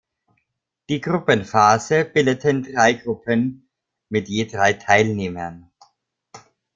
Die Gruppenphase bildeten drei Gruppen mit je drei Teilnehmern.